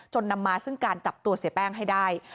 นำมาซึ่งการจับตัวเสียแป้งให้ได้